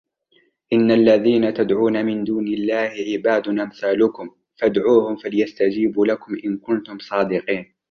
إِنَّ الَّذِينَ تَدْعُونَ مِنْ دُونِ اللَّهِ عِبَادٌ أَمْثَالُكُمْ فَادْعُوهُمْ فَلْيَسْتَجِيبُوا لَكُمْ إِنْ كُنْتُمْ صَادِقِينَ